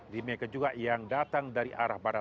demikian juga yang datang dari arah barat